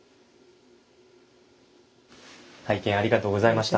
拝見ありがとうございました。